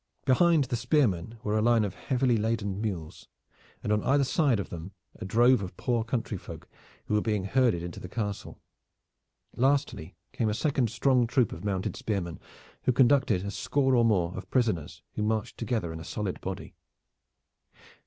Behind the spearmen were a line of heavily laden mules, and on either side of them a drove of poor country folk, who were being herded into the castle. Lastly came a second strong troop of mounted spearmen, who conducted a score or more of prisoners who marched together in a solid body.